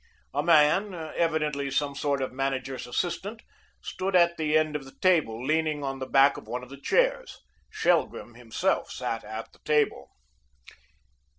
A man, evidently some sort of manager's assistant, stood at the end of the table, leaning on the back of one of the chairs. Shelgrim himself sat at the table.